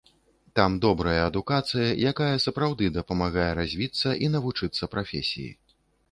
Там добрая адукацыя, якая сапраўды дапамагае развіцца і навучыцца прафесіі.